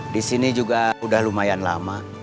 disini juga udah lumayan lama